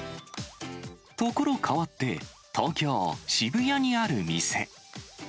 所変わって、東京・渋谷にある店。